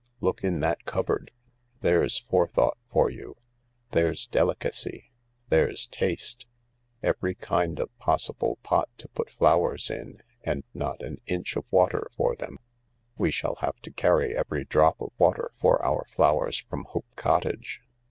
Look in that cupboard ! There's forethought for you ! There's delicacy ! There's taste ! Every kind of possible pot to put flowers in, and not an inch of water for them ! We shall have to carryevery drop of water for our flowers from Hope Cottage.